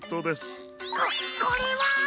ここれは！